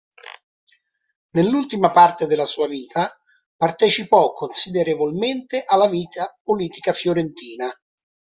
Nell'ultima parte della sua vita partecipò considerevolmente alla vita politica fiorentina.